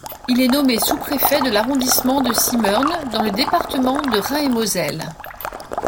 Il est nommé sous-préfet de l’arrondissement de Simmern dans le département de Rhin-et-Moselle.